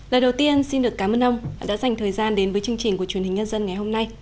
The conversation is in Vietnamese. lời đầu tiên xin được cảm ơn ông đã dành thời gian đến với chương trình của truyền hình nhân dân ngày hôm nay